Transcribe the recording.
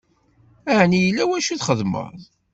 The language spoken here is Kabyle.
Ɛni yella wacu i txedmeḍ?